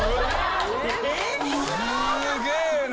すげえな。